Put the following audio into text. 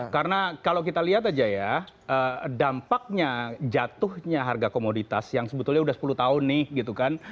karena kalau kita lihat aja ya dampaknya jatuhnya harga komoditas yang sebetulnya udah sepuluh tahun nih gitu kan